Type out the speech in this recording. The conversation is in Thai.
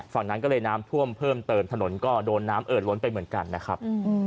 ฝั่งนั้นก็เลยน้ำท่วมเพิ่มเติมถนนก็โดนน้ำเอิดล้นไปเหมือนกันนะครับ